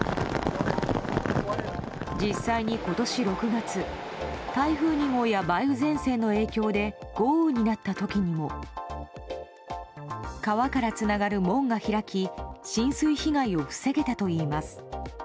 実際に今年６月台風２号や梅雨前線の影響で豪雨になった時にも川からつながる門が開き浸水被害を防げたといいます。